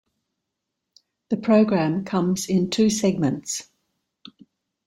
The program comes in two segments.